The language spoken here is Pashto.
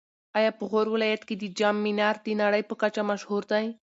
ایا په غور ولایت کې د جام منار د نړۍ په کچه مشهور دی؟